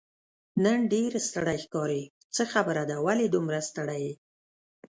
نن ډېر ستړی ښکارې، څه خبره ده، ولې دومره ستړی یې؟